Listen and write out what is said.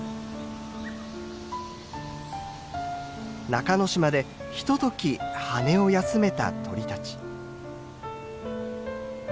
中之島でひととき羽を休めた鳥たち。